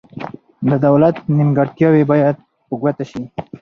د دولت نیمګړتیاوې باید په ګوته شي.